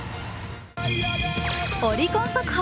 オリコン速報。